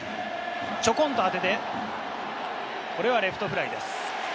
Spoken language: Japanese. ちょこんと当てて、これはレフトフライです。